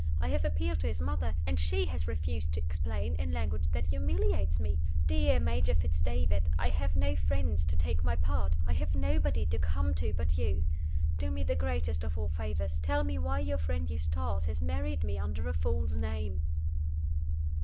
I have appealed to his mother and she has refused to explain, in language that humiliates me. Dear Major Fitz David, I have no friends to take my part: I have nobody to come to but you! Do me the greatest of all favors tell me why your friend Eustace has married me under a false name!"